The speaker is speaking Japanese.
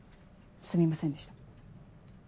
すみませんでした。